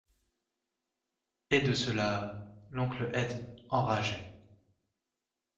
Et de cela, l'oncle Edme enrageait.